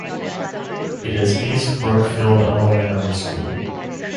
It is East Brookfield Elementary School.